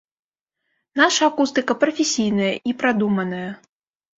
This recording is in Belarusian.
Наша акустыка прафесійная і прадуманая.